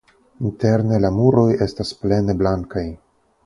Interne la muroj estas plene blankaj.